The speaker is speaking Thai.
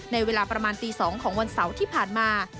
ในเวลาประมาณตี๒ของวันเสาร์ที่ผ่านมา